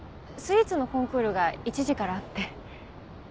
スイーツのコンクールが１時からあって。